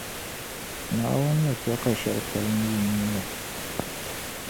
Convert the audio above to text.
Naawuni ni chɛ ka shεli kpalim yi nuu ni.